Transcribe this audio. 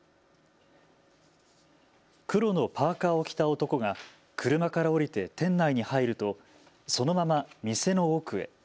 黒のパーカーを着た男が車から降りて店内に入ると、そのまま店の奥へ。